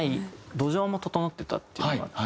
土壌も整ってたっていうのがあって。